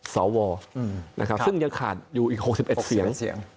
สอวอซึ่งยังขาดอยู่อีก๖๑เสียง